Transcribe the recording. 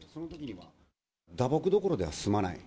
打撲どころでは済まない。